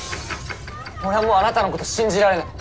俺はもうあなたのこと信じられない。